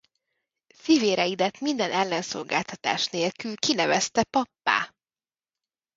Fivéreidet minden ellenszolgáltatás nélkül kinevezte pappá.